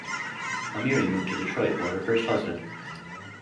Ameri moved to Detroit for her first husband.